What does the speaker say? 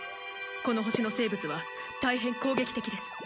この星の生物は大変攻撃的です。